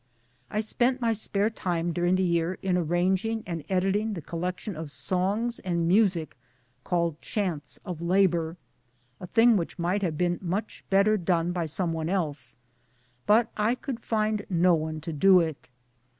I spent my spare time during the year in arranging and editing the collection of songs and music called Chants of Labour a, thing which might have been much better done by some one else, but I could find no one to do it.